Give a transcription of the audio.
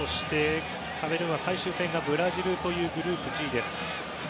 カメルーンは最終戦がブラジルというグループＧ。